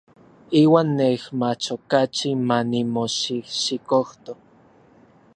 Iuan nej mach okachi ma nimoxijxikojto.